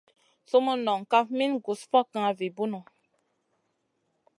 Sumun non kaf min gus fokŋa vi bunu.